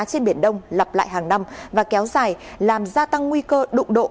trên biển đông lặp lại hàng năm và kéo dài làm gia tăng nguy cơ đụng độ